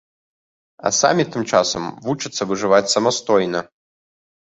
А самі тым часам вучацца выжываць самастойна.